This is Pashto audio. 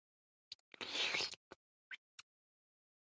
انتقادي سمون په عربي تصحیح حاسم بولي.